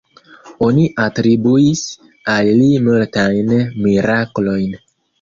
Oni atribuis al li multajn miraklojn.